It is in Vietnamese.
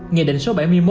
nghị định số bảy mươi một